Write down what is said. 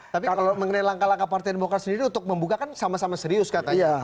tapi kalau mengenai langkah langkah partai demokrat sendiri untuk membuka kan sama sama serius katanya